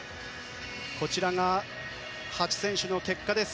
こちらが、８選手の結果です。